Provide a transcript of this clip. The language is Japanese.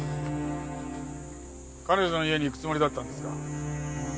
彼女の家に行くつもりだったんですか？